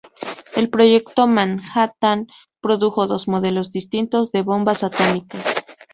El proyecto Manhattan produjo dos modelos distintos de bombas atómicas.